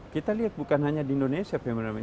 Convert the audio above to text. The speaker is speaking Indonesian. kita lihat bukan hanya di indonesia